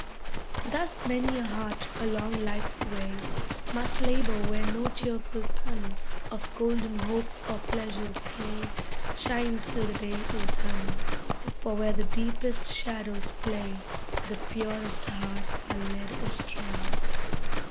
Thus many a heart, along life's way, Must labor where no cheerful sun Of golden hopes or pleasures gay, Shines till the day is done, For where the deepest shadows play The purest hearts are led astray.